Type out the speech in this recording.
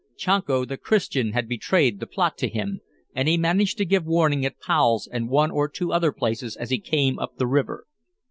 Chanco the Christian had betrayed the plot to him, and he managed to give warning at Powel's and one or two other places as he came up the river."